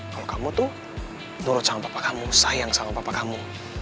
kalau kamu tuh nurut sama bapak kamu sayang sama bapak kamu